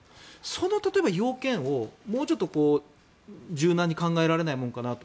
その例えば要件をもうちょっと柔軟に考えられないものかなと。